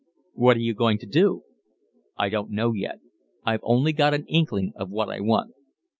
"What are you going to do?" "I don't know yet. I've only got an inkling of what I want."